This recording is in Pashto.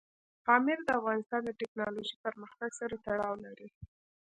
پامیر د افغانستان د تکنالوژۍ پرمختګ سره تړاو لري.